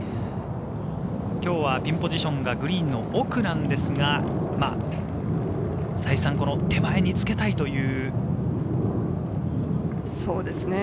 今日はピンポジションがグリーンの奥なんですが、再三手前につけそうですね。